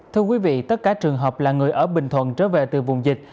thưa quý vị tất cả trường hợp là người ở bình thuận trở về từ vùng dịch